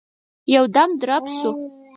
يودم درب شو.